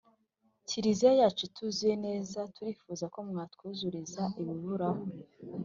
kiriziya yacu ituzuye neza, turifuza komwatwuzuriza ibiburaho